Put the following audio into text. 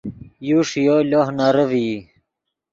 یو ݰییو لوہ نرے ڤئی